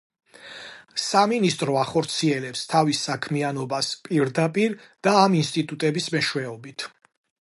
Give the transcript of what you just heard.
სამინისტრო ახორციელებს თავის საქმიანობას პირდაპირ და ამ ინსტიტუტების მეშვეობით.